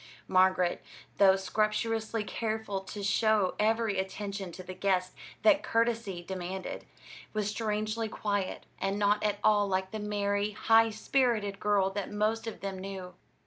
Margaret, though scrupulously careful to show every attention to the guests that courtesy demanded, was strangely quiet, and not at all like the merry, high spirited girl that most of them knew.